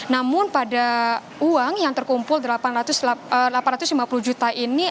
namun pada uang yang terkumpul delapan ratus lima puluh juta ini